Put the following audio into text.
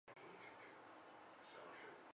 买了很多小蛋糕